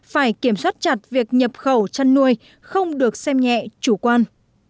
phải kiểm soát chặt việc nhập khẩu chăn nuôi không được xem nhẹ chủ quan